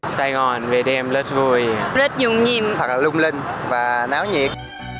sài gòn về đêm rất vui rất nhung nhiên thật là lung linh và náo nhiệt